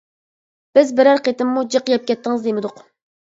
بىز بىرەر قېتىممۇ جىق يەپ كەتتىڭىز دىمىدۇق.